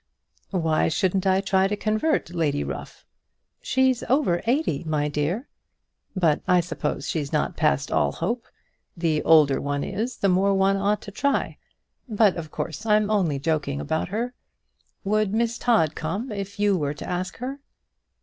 "Why shouldn't I try to convert Lady Ruff?" "She's over eighty, my dear." "But I suppose she's not past all hope. The older one is the more one ought to try. But, of course, I'm only joking about her. Would Miss Todd come if you were to ask her?"